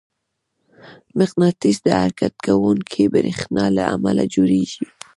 مقناطیس د حرکت کوونکي برېښنا له امله جوړېږي.